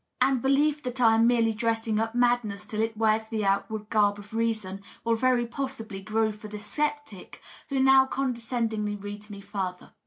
And belief that I am merely dressing up madness till it wears the outward garb of reason will very possibly grow for the sceptic who now condescendingly reads me further.